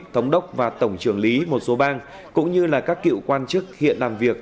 thống đốc và tổng trưởng lý một số bang cũng như là các cựu quan chức hiện làm việc